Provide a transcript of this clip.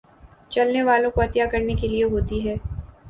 چلنے والوں کوعطیہ کرنے کے لیے ہوتی ہے